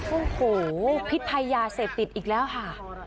โอ้โหพิษภัยยาเสพติดอีกแล้วค่ะ